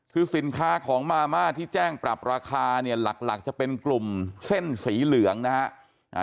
คือสินค้าของมาม่าที่แจ้งปรับราคาเนี่ยหลักจะเป็นกลุ่มเส้นสีเหลืองนะฮะ